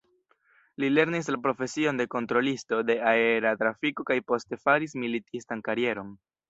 Li lernis la profesion de kontrolisto de aera trafiko kaj poste faris militistan karieron.